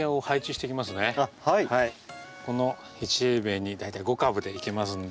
この１平米に大体５株でいけますんで。